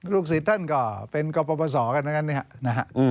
ลูกศิษย์ท่านก็เป็นกปสกันนะครับ